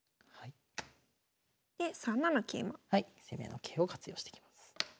攻めの桂を活用してきます。